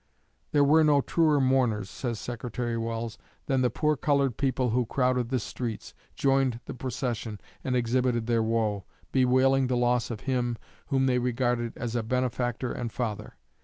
"There were no truer mourners," says Secretary Welles, "than the poor colored people who crowded the streets, joined the procession, and exhibited their woe, bewailing the loss of him whom they regarded as a benefactor and father.